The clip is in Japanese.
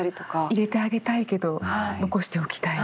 入れてあげたいけど残しておきたい。